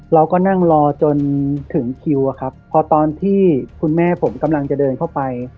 เราก็นั่งรอจนถึงคิวอะครับพอตอนที่คุณแม่ผมกำลังจะเดินเข้าไป